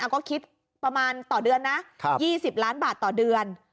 ก็คิดประมาณต่อเดือนนะ๒๐ล้านบาทต่อเดือน